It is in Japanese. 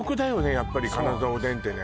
やっぱり金澤おでんってね